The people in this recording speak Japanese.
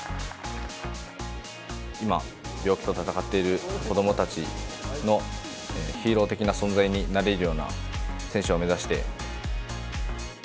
今、病気と闘っている子どもたちのヒーロー的な存在になれるような選手を目指して。